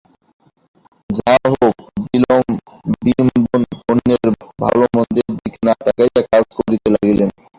যাহা হউক, বিল্বন অন্যের ভালোমন্দের দিকে না তাকাইয়া কাজ করিতে লাগিলেন।